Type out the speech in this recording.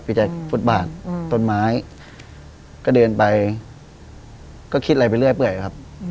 แจ๊คฟุตบาทต้นไม้ก็เดินไปก็คิดอะไรไปเรื่อยครับ